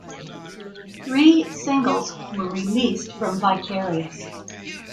Three singles were released from "Vicarious".